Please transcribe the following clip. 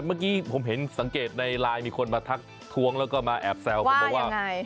เมื่อกี้ผมเห็นสังเกตในไลน์มีคนมาทักท้วงแล้วก็มาแอบแซวผมบอกว่า